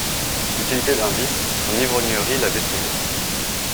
Utilité d’un vice: son ivrognerie l’avait sauvé.